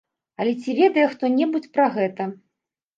Але ці ведае хто-небудзь пра гэта?